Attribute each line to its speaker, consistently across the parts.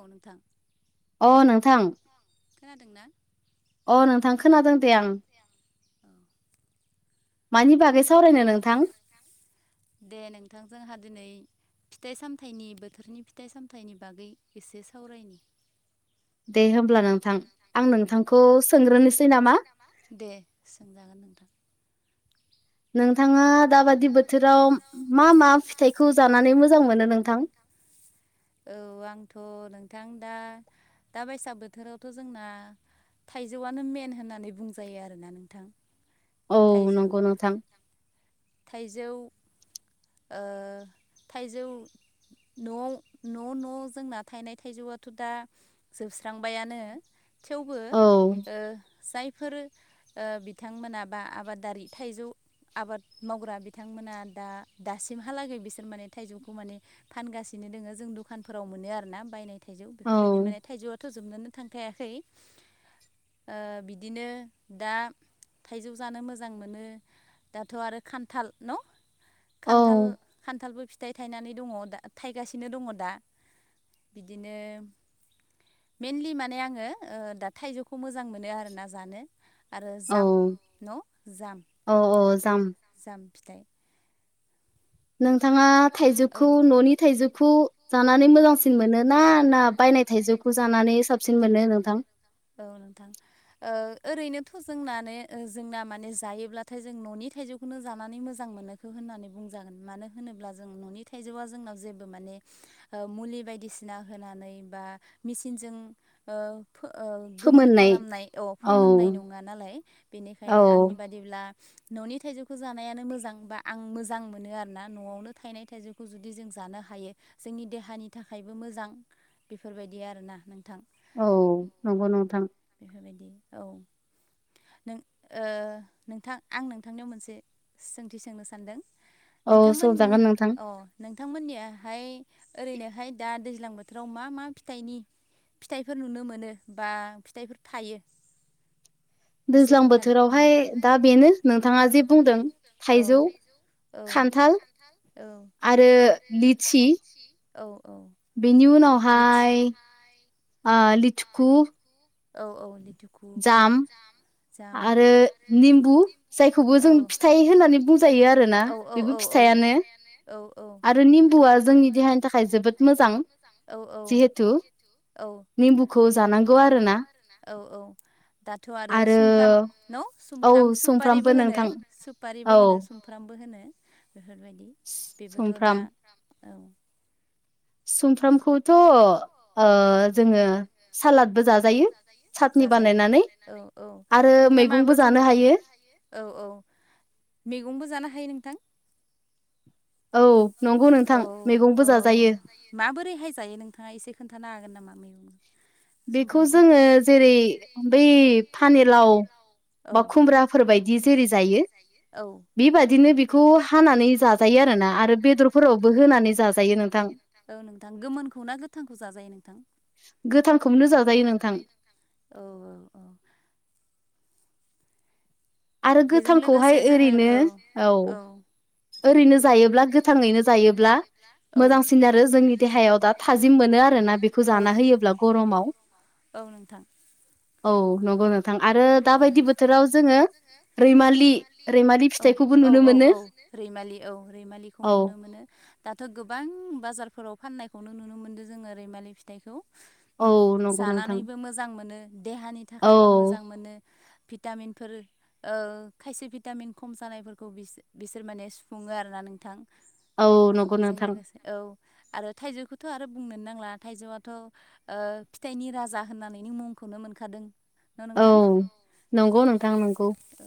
Speaker 1: औ नोंथां
Speaker 2: अ नोंथां
Speaker 1: खोनादोंना
Speaker 2: अ नोंथां खोनादों दे आं
Speaker 1: औ
Speaker 2: मानि बागै सावरायनो नोंथां
Speaker 1: दे नोंथां जोंहा दिनै फिथाइ सामथायाइनि बोथोरनि फिथाइ सामथाइनि बागै एसे सावरायनि
Speaker 2: दे होमब्ला नोंथां आं
Speaker 1: औ
Speaker 2: नोंथांखौ सोंग्रोनोसै नामा
Speaker 1: दे सोंजागोन नोंथां
Speaker 2: नोंथाङा दाबादि बोथोराव मा मा फिथाइखौ जानानै मोजां मोनो नोंथां
Speaker 1: औ आंथ' नोंथां दा दा बैसाग बोथोरावथ' जोंना थाइजौआनो मेन होननानै बुंजायो आरोना नोंथां
Speaker 2: औ
Speaker 1: थाइजौ
Speaker 2: नंगौ नोंथां
Speaker 1: थाइजौ थाइजौ न'आव न' न' जोंना थाइनाय थाइजौआथ' दा जोबस्रांबायानो थेवबो
Speaker 2: औ
Speaker 1: जाय फोर बिथांमोना बा आबादारि थाइजौ आबाद मावग्रा बिथांमोना दा दासिमहालागै बिसोर माने थाइजौखौ माने फानगासिनो दोङो जों दखानफोराव मोनो आरोना बायनाय थाइजौ
Speaker 2: औ
Speaker 1: बेफोरबायदि माने थाइजौआथ' जोबनोनो थांखायाखै बिदिनो दा थाइजौ जानो मोजां मोनो दाथ' आरो खान्थाल न'
Speaker 2: औ
Speaker 1: खान्थाल खान्थालबो फिथाय फिथाइ थायनानै दङ द थायगासिनो दङ दा बिदिनो मेनलि माने आङो ओ दा थाइजौखौ मोजां मोनो आरो ना जानो आरो
Speaker 2: औ
Speaker 1: जाम न' जाम
Speaker 2: औ औ जाम
Speaker 1: जाम फिथाइ
Speaker 2: नोंथाङा
Speaker 1: औ
Speaker 2: थाइजौखौ न'नि थाइजौ खौ जानानै मोजांसिन मोनो ना ना बायनाय थाइजौखौ जानानै साबसिन मोनो नोंथां
Speaker 1: औ नोंथां ओ ओरैनोथ' जों माने जोंना माने जायोब्लाथाय जों न'नि थाइजौखौनो जानानै मोजां मोनोखो होननानै बुंजागोन मानो होनोब्ला जों न'नि थाइजौआ जोंनाव जेबो माने ओ मुलि बायदिसिना होनानै बा मेसिनजों ओ फो ओ गोमोन
Speaker 2: फोमोननाय
Speaker 1: खालामनाय औ फोमोननाय नंङा नालाय बेनिखायनो आंनि
Speaker 2: औ
Speaker 1: बादिब्ला न'नि थाइजौखौ जानायानो मोजां बा आं मोजां मोनो आरोना न'आवनो थायनाय थाइजौखौ जुदि जों जानो हायो जोंनि देहानि थाखायबो मोजां बेफोरबायदि आरोना नोंथां
Speaker 2: औ नंगौ नोंथां
Speaker 1: बेफोरबायदि औ
Speaker 2: [inaudible]
Speaker 1: नों ओ नोंथां आं नोंथांनियाव मोनसे सोंथि सोंनो सानदों
Speaker 2: औ
Speaker 1: नोंथांमोन
Speaker 2: सोंजागोन नोंथां
Speaker 1: औ नों थांमोननियाहाय ओरैनोहाय दा दैज्लां बोथोराव मा मा फिथाइनि फिथाइफोर नुनो मोनो बा फिथाइफोर थायो। एसे
Speaker 2: दैज्लां
Speaker 1: खोन्थादो नोंथां
Speaker 2: बोथोरावहाय दा बेनो नोंथांङा जे बुंदों
Speaker 1: बुंदों
Speaker 2: थाइजौ
Speaker 1: औ थाइजौ
Speaker 2: खान्थाल
Speaker 1: खान्थाल
Speaker 2: आरो लिचि
Speaker 1: औ - औ लिचि बेनि उनावहाय
Speaker 2: आ लिथुखु
Speaker 1: औ - औ लिटुखौ जाम
Speaker 2: आरो निम्बु जायखौबो
Speaker 1: औ
Speaker 2: जों फिथाइ होननानै बुंजायो आरोना
Speaker 1: औ औ
Speaker 2: बेबो
Speaker 1: औ
Speaker 2: फि थायानो
Speaker 1: औ औ
Speaker 2: आरो निम्बुआ जोंनि देहानि थाखाय जोबोद मोजां
Speaker 1: औ
Speaker 2: जिहेथु
Speaker 1: औ औ
Speaker 2: निमबुखौ जानांगौ आरोना
Speaker 1: औ औ
Speaker 2: [inaudible]
Speaker 1: दाथ' आरो सुमफ्राम न'
Speaker 2: औ
Speaker 1: सुमफ्राम
Speaker 2: सुमफ्रामबो
Speaker 1: सुपारिबो होनो
Speaker 2: नोंथां औ
Speaker 1: सुपारिबो होनो सुमफ्राम बो होनो बेफोरबायदि बेबोथ' दा
Speaker 2: सुमफ्राम
Speaker 1: औ
Speaker 2: सुमफ्रामखौथ' ओ जोंङो सालादबो जा यो सातनि
Speaker 1: जाजायो
Speaker 2: बानायनानै
Speaker 1: औ औ
Speaker 2: आरो
Speaker 1: सुमफ्रामाबो
Speaker 2: मैगंबो जानो
Speaker 1: जोंनि
Speaker 2: हायो।
Speaker 1: औ - औ मैगंबो जानो हायो नोंथां
Speaker 2: औ नंगौ नोंथां
Speaker 1: औ
Speaker 2: मैगंबो
Speaker 1: - औ
Speaker 2: जाजायो
Speaker 1: माबोरैहाय जायो नोंथांङा एसे खोन्थानो हागोन नामा मैगं
Speaker 2: बेखौ
Speaker 1: सुमफ्रामखौ
Speaker 2: जोंङो जेरै बै फानिलाव
Speaker 1: औ
Speaker 2: बा खुमब्राफोरबायायदि जेरै जायो।
Speaker 1: औ
Speaker 2: बेबायदिनो बेखौ हानानै जाजायो आरोना आरो बेदरफोरावबो होनानै जाजायो नोंथां
Speaker 1: औ नोंथां गोमोनखौ ना गोथांखौ जाजायो नोंथां
Speaker 2: गोथांखौनो जाजायो नोंथां
Speaker 1: औ औ औ
Speaker 2: आरो
Speaker 1: बेजों लोगोसे
Speaker 2: गोथांखौहाय
Speaker 1: जोङो
Speaker 2: ओरैनो
Speaker 1: औ
Speaker 2: औ ओरैनो जायोब्ला गोथांङैनो जायोब्ला
Speaker 1: औ
Speaker 2: मोजांसिन आरो जोंनि देहायाव दा थाजिम मोनो आरोना बेखौ जाना होयोब्ला गरमाव [inaudible]
Speaker 1: औ नोंथां
Speaker 2: औ नंगौ नोंथां आरो दाबायदि बोथोराव जोंङो रैमालि रैमालि फिथाइखौबो
Speaker 1: औ औ
Speaker 2: नुनो
Speaker 1: औ
Speaker 2: मोनो।
Speaker 1: औ रैमालि औ रैमालिखौ
Speaker 2: औ
Speaker 1: नुनो मोनो। दाथ' गोबां बाजारफोराव फाननायखौनो नुनो मोनदों जोंङो रैमालि फिथाइखौ
Speaker 2: औ नंगौ नोंथां
Speaker 1: जानानैबो मोजां मोनो देहानि
Speaker 2: औ
Speaker 1: थाखायबो मोजां मोनो भिटामिनफोर खायसे भिटामिन खम जानायफोरखौ बिसोर माने सुफुं आरोना नोंथां
Speaker 2: औ नंगौ
Speaker 1: बे
Speaker 2: नोंथां
Speaker 1: लोगोसे औ आरो थाइजौ आरो बुंनोनो नांला थाइजौआथ' फिथाइनि राजा होननानैनि मुंखौनो मोनखादों न'
Speaker 2: औ
Speaker 1: नोंथां
Speaker 2: नंगौ नोंथां नंगौ
Speaker 1: औ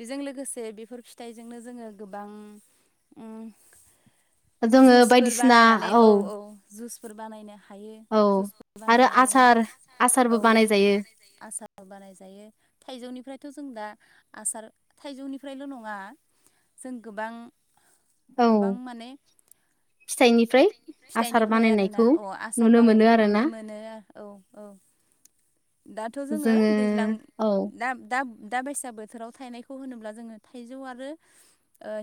Speaker 1: बेजों लोगोसे बेफोर फिथाइजोंनो जोङो गोबां उ
Speaker 2: जोङो
Speaker 1: जुसफोर
Speaker 2: बायदिसिना
Speaker 1: बानायनानै औ औ जुसफोर बानायनो हायो
Speaker 2: औ
Speaker 1: जुसफोर
Speaker 2: आरो
Speaker 1: बानायनानै
Speaker 2: आसार आसारबो
Speaker 1: औ
Speaker 2: बानायजायो
Speaker 1: आसार बानाय जायो थाइजौनिफ्राय थ' जों दा आसार थाइजौनिफ्रायल' नङा जों गोबां
Speaker 2: औ
Speaker 1: गोबां माने
Speaker 2: [inaudible] फिथाइनिफ्राय आसार
Speaker 1: फिथाइनिफ्राय आरोना
Speaker 2: बानायनायखौ
Speaker 1: अ आसार
Speaker 2: नुनो मोनो
Speaker 1: बानायनायखौ नुनो
Speaker 2: आरोना
Speaker 1: मोनो औ औ दाथ' जोङो दैज्लां
Speaker 2: औ
Speaker 1: ना दा दाबायसा बोथोराव थायनायखौ होनोब्ला जोङो थाइजौ आरो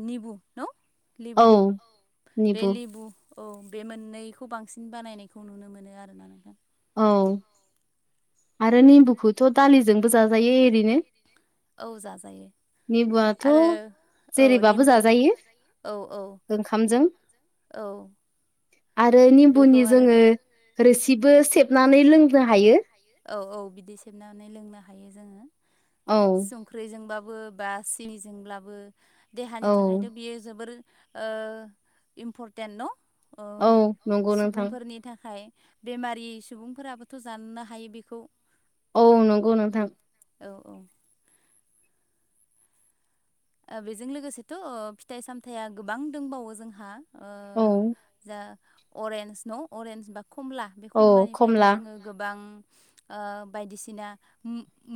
Speaker 1: निबु न लेबु
Speaker 2: औ
Speaker 1: बे
Speaker 2: निबु
Speaker 1: लेबु औ बे मोननैखौ बांसिन बानायनायखौ नुनो मोनो आरोना नोंथां
Speaker 2: औ आरो नेम्बुखौथ' दालिजोंबो जाजायो एरैनो
Speaker 1: औ जाजायो
Speaker 2: निबुआथ'
Speaker 1: आरो औ
Speaker 2: जेरैबाबो
Speaker 1: निम्बु
Speaker 2: जाजायो
Speaker 1: औ औ
Speaker 2: ओंखामजों
Speaker 1: औ
Speaker 2: आरो निम्बुनि
Speaker 1: बेखौ
Speaker 2: जोङो
Speaker 1: आरो
Speaker 2: रोसिबो सेबनानै लोंनो हायो।
Speaker 1: औ औ बिदि सेबनानै लोंनो हायो जोङो
Speaker 2: औ
Speaker 1: संख्रिजोंबो बो बा सिनिजोंब्लाबो देहानि
Speaker 2: औ
Speaker 1: थाखायथ' बियो जोबोर इम्परटेन्ट
Speaker 2: औ
Speaker 1: न'
Speaker 2: नंगौ नोंथां
Speaker 1: सुबुंफोरनि थाखाय बेमारि सुबुंफोराबोथ' जानोनो हायो बेखौ
Speaker 2: औ नंगौ नोंथां
Speaker 1: औ औ बेजों लोगोसेथ' फिथाइ सामथाइया गोबां दंबावो जोंहा
Speaker 2: औ
Speaker 1: जा अरेन्ज न' अरेन्ज बा कमला बे
Speaker 2: औ
Speaker 1: खमलानिफ्रायथ'
Speaker 2: खमला
Speaker 1: जोङो गोबां बायदिसिना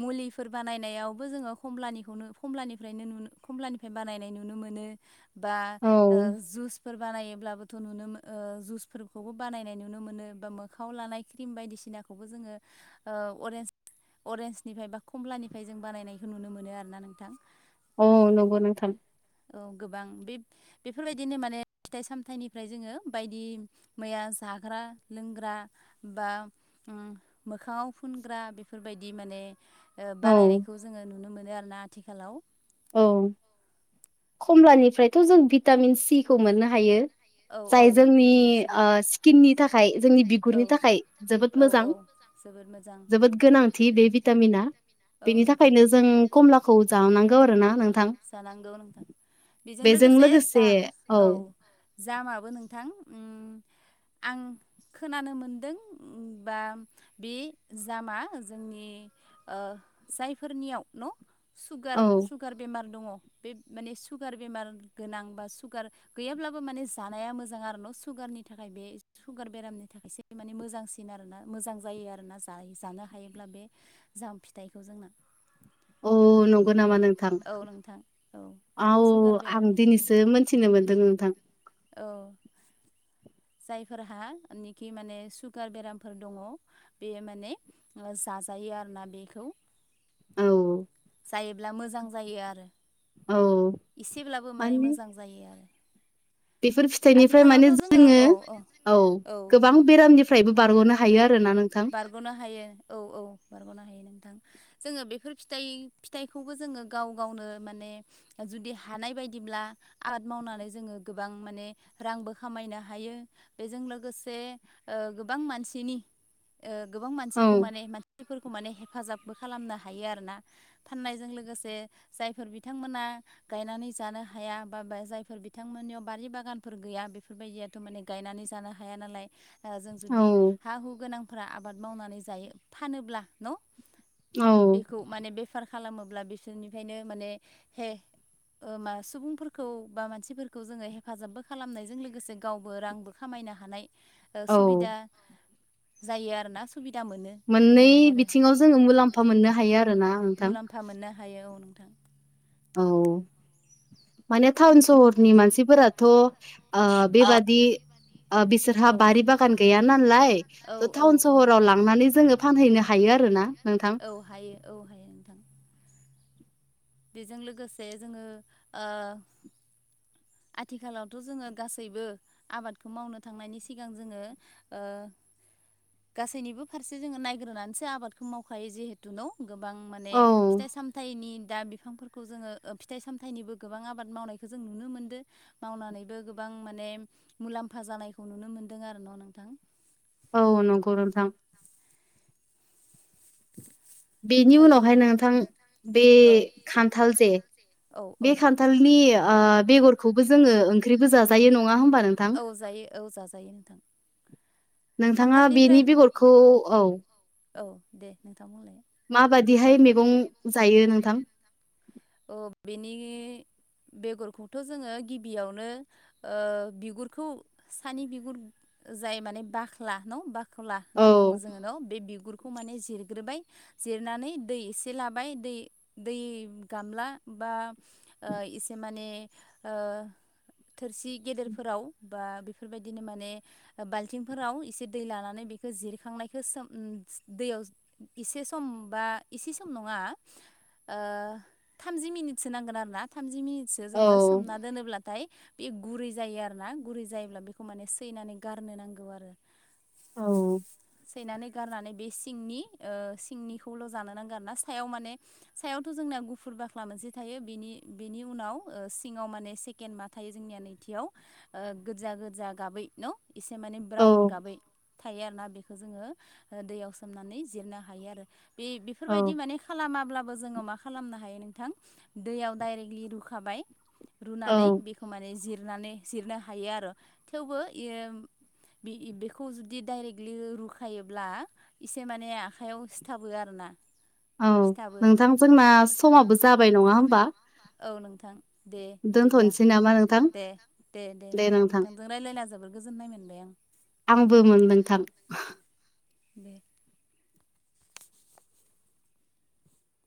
Speaker 1: मुलिफोर बानायनायावबो जोङो खमलानिखौनो खमलानि खमलानिफ्राय बानायनाय नुनो मोनो बा
Speaker 2: औ
Speaker 1: जुस फोर बानायोबब्लाबोथ' नुनो मोन जुसफोरखौबो बानायनाय नुनो मोनो बा मोखाङाव लानाय क्रिम बायदिसिना सिनाखौबो जोङो अरेन्ज अरेन्सनिफ्राय बा कमलानिफ्राय जों बानायनायखौ नुनो मोनो आरो ना नोंथां
Speaker 2: औ नंगौ नोंथां
Speaker 1: औ गोबां बे बेफोरबायदिनो माने फिथाइ सामथाइनिफ्राय जोङो बायदि मैया जाग्रा लोंग्रा बा मोखाङाव फुनग्रा बेफोरबायदि माने
Speaker 2: औ
Speaker 1: बानायनायखौ जोङो नुनो मोनो आरोना आथिखालाव
Speaker 2: औ कमलानिफ्रायथ' जों भिटामिन सिखौ मोननो हायो जाय जोंनि
Speaker 1: भिटामिन
Speaker 2: स्किननि थाखाय जोंनि बिगुरनि थाखाय जोबोद
Speaker 1: औ
Speaker 2: मोजां
Speaker 1: औ जोबोद मोजां
Speaker 2: जोबोद गोनांथि बे भितामिना
Speaker 1: औ
Speaker 2: बेनि
Speaker 1: नोंथां।
Speaker 2: थाखायनो जों कमलाखौ जानांगौ
Speaker 1: जानांगौ नोंथां जानांगौ बेजों लोगोसे जा औ जामाबो नोंथां आं खोनानो मोनदों बा बे जामा जोंनि जायफोरनियाव न' सुगार
Speaker 2: औ
Speaker 1: सुगार बेमार दङ बे माने सुगार बेमार गोनां बा सुगार गैयाब्लाबो माने जानाया मोजां आरो न' सुगारनि थाखाय बे सुगार बेरामनि थाखायसो माने मोजांसिन आरोना मोजां जा जायो आरोना जा जानो हायोब्ला बे जाम फिथाइखौ जोंना
Speaker 2: अ नंगौ नामा नोंथां
Speaker 1: औ नोंथां
Speaker 2: औ
Speaker 1: सुगार
Speaker 2: आं
Speaker 1: बेरामनि थाखाय
Speaker 2: दिनैसो मोनथिनो मोनदों नोंथां
Speaker 1: औ जायफोरहाानिखि माने सुगार बेरामफोर दङ बे माने जा जायो आरोना बेखौ
Speaker 2: औ
Speaker 1: जायोब्ला मोजां जायो आरो
Speaker 2: औ
Speaker 1: एसेब्लाबो माने मोजां जायो आरो
Speaker 2: बेफोर फिथाइनिफ्राय माने जोङो औ गोबां बेरामनिफ्रायबो बारग'नो हायो आरो ना नों
Speaker 1: बारग'नो हायो औ औ बारग'नो हायो नोंथां जोङो बेफोर फिथाइ फिथाइखौबो जोङो गाव गावनो माने जुदि हानाय बायदि होनब्ला आबाद मावनानै जोङो गोबां माने रांबो खामायनो हायो बेजों लोगोसे गोबां मानसिनि गोबां
Speaker 2: औ
Speaker 1: मानसिखौ माने मानसिफोरखौ माने हेफाजाब बो खालामनो हायो आरोना फाननायजों लोगोसे जायफोर बिथांमोना गायनानै जानो हाया बा जायफोर बिथांमोननियाव बारि बागान फोर गैया बेफोरबायदियाथ' माने गायनानै जानो हाया नालाय जों
Speaker 2: औ
Speaker 1: जुदि हा हु गोनां फोरा आबाद मावनानै जायो फानोब्ला न
Speaker 2: औ
Speaker 1: बेखौ मान बेफार खालामोब्ला बिसोरनिफ्रायनो माने हे मा सुबुंफोरखौ बा मानसिफोरखौ जोङो हेफाजाबबो खालामनायजों लोगोसे गावबो रांबो खामायनो हानाय
Speaker 2: औ
Speaker 1: सुबिदा जायो आरोना सुबिदा मोनो
Speaker 2: मोननै
Speaker 1: बेफोरबायदि आरो
Speaker 2: बिथिङाव जोङो मुलाम्फा मोननो हायो आरो ना नोंथां
Speaker 1: थां
Speaker 2: औ माने टाउन सहरनि मानसिफोराथ' ओ बेबादि बिसोरहा
Speaker 1: औ
Speaker 2: बारि बागान गैया नालाय
Speaker 1: औ
Speaker 2: थ
Speaker 1: औ
Speaker 2: टाउन
Speaker 1: औ
Speaker 2: सहराव लांनानै जोङो फानहैनो हा हायो आरो ना
Speaker 1: औ हायो औ हायो नोंथां बेजों लोगोसे जोङो ओ
Speaker 2: [inaudible]
Speaker 1: आथिखालावथ' जोङो गासैबो आबादखौ मावनो थांनायनि सिगां जोङो ओ गासैनिबो फारसे जोङो नायग्रोनानैसो आबादखौ मावखायो जिहेथु न' गोबां माने
Speaker 2: औ
Speaker 1: फिथाइ सामथाइनि दा बिफांफोरखौ जोङो फिथाइ सामथाइनिबो गोबां आबाद मावनायखौ जों नुनो मोनदों मावनानैबो गोबां माने मुलाम्फा जानायखौ नुनो मोनदों आरो न' नोंथां
Speaker 2: औ नंगौ नोंथां बेनि
Speaker 1: थाइजौ
Speaker 2: उनावहाय नोंथां बे
Speaker 1: औ
Speaker 2: खान्थाल जे
Speaker 1: औ औ
Speaker 2: बे खान्थालनि आ बेगरखौबो जोङो ओंख्रिबो जाजायो नङा होमबा नोंथां
Speaker 1: औ जायो औ जाजायो नोंथां
Speaker 2: नोंथाङा
Speaker 1: खान्थालनिफ्राय
Speaker 2: बेनि बेगरखौ औ
Speaker 1: औ दे नोंथां बुंलाय
Speaker 2: माबादिहाय मैगं जायो नोंथां
Speaker 1: अ बेनि बेगरखौथ' जोङो गिबियावनो बिगुरखौ सानि बिगुर जाय माने बाख्ला न' बाख्ला
Speaker 2: औ
Speaker 1: होनना बुङो जोङो न' बे बिगुर खौ माने जिरग्रोबाय जिरनानै दै एसे लाबाय दै दै गामला बा ओ एसे माने ओ थोरसि गेदेरफोराव बा बेफोरबायदिनो माने बाल्थिंफोराव एसे दै लानानै बेखौ जिरखांनायखो सोम दैयाव एसे सम बा इसे सम नङा ओ थामजि मिनिटसो नांगोन आरो ना थामजि मिनिटसो
Speaker 2: औ
Speaker 1: जोङो सोमना दोनोब्लाथाय बे गुरै जायो आरोना गुरै जायोब्ला बेखौ माने सैनानै गारनो नांगौ आरो।
Speaker 2: औ
Speaker 1: सैनानै गारनानै बे सिंनि ओ सिंनिखौल' जानो नांगोन ना सायाव माने सायावथ' जोंना गु फुर बाख्ला मोनसे थायो बेनि बेनि उनाव सिङाव माने सेकेण्ड मा थायो जोंनिया नैथियाव ओ गोजा गोजा गाबै न? इसे माने
Speaker 2: औ
Speaker 1: ब्राउन गाबै थायो आरो ना बेखौ जोङो दैयाव सोमनानै जिरनो हायो आरो। बे बेफोरबायदि
Speaker 2: औ
Speaker 1: माने खालामाब्लाबो जोङो मा खालामनो हायो हायो नोंथां दैयाव दाइरेकलि रुखांबाय
Speaker 2: औ
Speaker 1: बेखौ माने जिरना रनानै जिरनो हायो आरो थेवबो बेखौ जुदि डाइरेक्टलि रुखायोब्ला एसे माने आखायाव सिथाबो आरोना।
Speaker 2: औ
Speaker 1: सिथाबो
Speaker 2: नोंथां जोंना समाबो जाबाय नङा होमबा?
Speaker 1: औ नोंथां दे बिदिब्ला
Speaker 2: दोनथ'नोसै नामा नोंथां
Speaker 1: दे दे दे नोंथां नोंथांजों रायलाय खेला जोबोर गोजोननाय मोनबाय आं।
Speaker 2: आंबो मोनदों नोंथां।
Speaker 1: बे